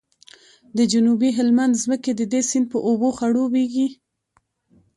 د جنوبي هلمند ځمکې د دې سیند په اوبو خړوبیږي